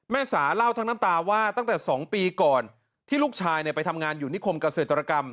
สาเล่าทั้งน้ำตาว่าตั้งแต่๒ปีก่อนที่ลูกชายไปทำงานอยู่นิคมเกษตรกรรม